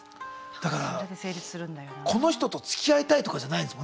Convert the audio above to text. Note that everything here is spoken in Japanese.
だからこの人とつきあいたいとかじゃないんですもんね